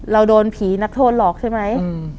โดนผีนักโทษหลอกใช่ไหม